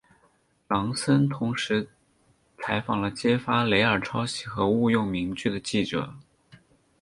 朗森同时采访了揭发雷尔抄袭和误用名句的记者。